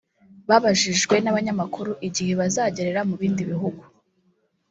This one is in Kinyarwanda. babajijwe n'abanyamakuru igihe bazagerera mu bindi bihugu